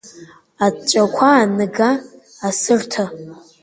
Аҵәҵәақәа, аныга, асырҭы…